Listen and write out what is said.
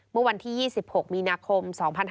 เมื่อวันที่๒๖มีนาคม๒๕๕๙